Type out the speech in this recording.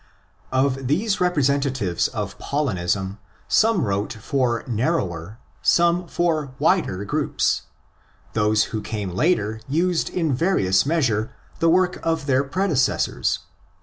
Of these representatives of Paulinism some wrote for narrower, some for wider, groups. Those who came later used in various measure the work of their predecessors.